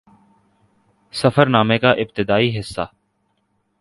سفر نامے کا ابتدائی حصہ